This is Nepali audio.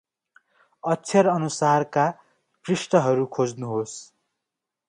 अक्षर अनुसारका पृष्ठहरू खोज्नुहोस् ।